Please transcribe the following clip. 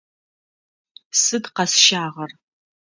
Сыд къэсщагъэр?